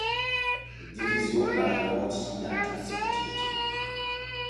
Division nach Nordchina transportierte.